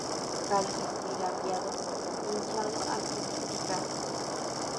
Cáliz bilabiado, hinchado al fructificar.